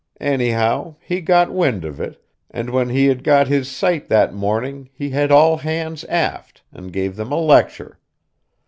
Anyhow, he got wind of it, and when he had got his sight that morning he had all hands aft, and gave them a lecture.